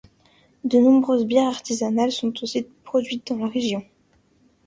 De nombreuses bières artisanales sont aussi produite dans la région.